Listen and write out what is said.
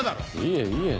いえいえ。